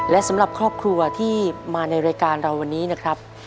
และสำหรับครอบครัวที่มาในรายการเราวันนี้นะครับ